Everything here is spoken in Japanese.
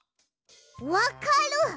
わかる！